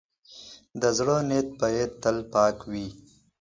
د زړۀ نیت باید تل پاک وي.